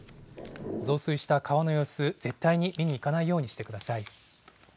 増水した川の様子、絶対に見に行かないようにしてください。